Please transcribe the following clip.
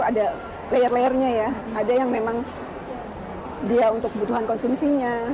ada layer layernya ya ada yang memang dia untuk kebutuhan konsumsinya